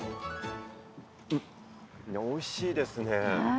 おいしいですね。